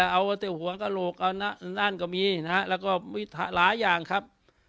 เอามาแต่หัวกระโหลกเอานั่นก็มีนะฮะแล้วก็มีหลายอย่างครับ